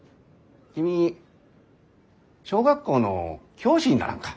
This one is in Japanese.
君小学校の教師にならんか？